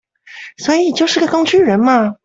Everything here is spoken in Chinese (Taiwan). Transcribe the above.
所以就是個工具人嘛